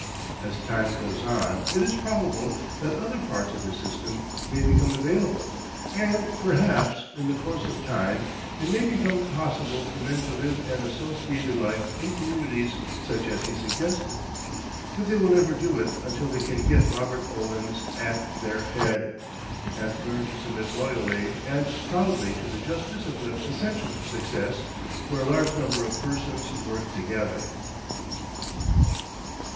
As time goes on it is probable that other parts of his system, may become available; and, perhaps, in the course of time, it may become possible for men to live an associated life in communities such as he suggested. But they will never do it until they can get Robert Owens at their head, and learn to submit loyally and proudly to the just discipline essential to success where a large number of persons work together.